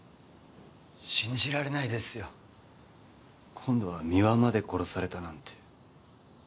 信じられないですよ。今度は美和まで殺されたなんて。